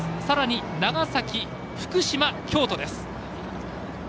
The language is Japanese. さらに長崎、福島、京都です。